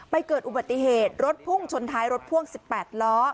เกิดอุบัติเหตุรถพุ่งชนท้ายรถพ่วง๑๘ล้อ